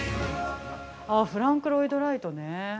◆フランク・ロイド・ライトね。